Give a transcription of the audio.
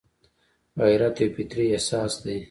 غیرت یو فطري احساس دی